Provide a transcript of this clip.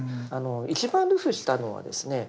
一番流布したのはですね